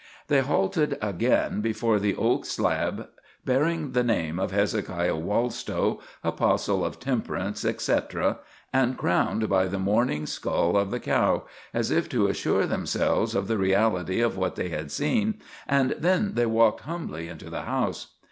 They halted again before the oak slab bearing the name of Hezekiah Wallstow, apostle of temperance, etc., and crowned by the mourning skull of the cow, as if to assure themselves of the reality of what they had seen, and then they walked humbly into the house.